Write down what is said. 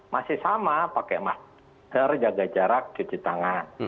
masih sama pakai masker jaga jarak cuci tangan